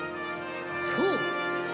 そう！